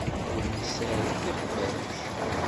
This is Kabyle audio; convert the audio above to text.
Ur nessared iqbac.